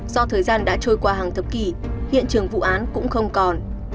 do thời gian đã trôi qua hàng thập kỷ hiện trường vụ án cũng không còn